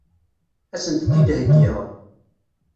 Ad sent-t-id-heggiɣ?